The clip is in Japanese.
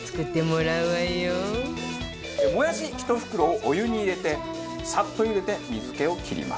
もやし１袋をお湯に入れてサッとゆでて水気を切りますと。